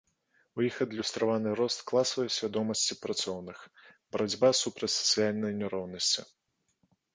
У іх адлюстраваны рост класавай свядомасці працоўных, барацьба супраць сацыяльнай няроўнасці.